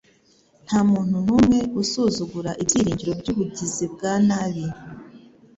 Nta muntu n'umwe Asuzugura ibyiringiro by'ubugizi bwa nabi